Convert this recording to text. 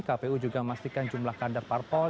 kpu juga memastikan jumlah kader parpol